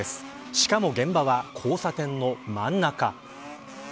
しかも現場は交差点の真ん中。